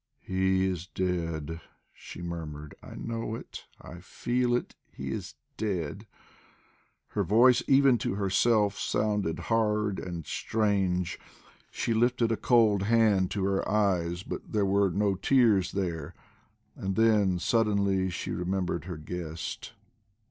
"He is dead!" she murmured. "I know it, I feel it! He is dead." Her voice, even to herself, sounded hard and strange. She lifted a cold hand to her eyes, but there were no tears there; and then suddenly she remembered her guest.